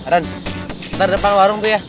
nanti depan warung tuh ya